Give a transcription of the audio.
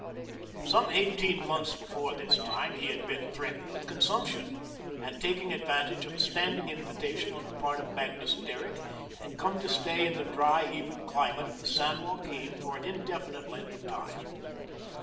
Some eighteen months before this time, he had been threatened with consumption, and, taking advantage of a standing invitation on the part of Magnus Derrick, had come to stay in the dry, even climate of the San Joaquin for an indefinite length of time.